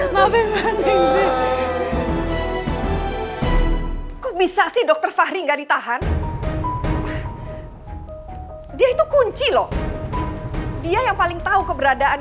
mabes kok bisa sih dokter fahri enggak ditahan dia itu kunci loh dia yang paling tahu keberadaan